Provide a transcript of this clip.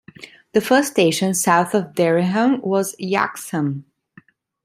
The first station south of Dereham was Yaxham.